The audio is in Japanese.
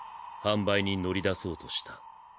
販売に乗り出そうとした。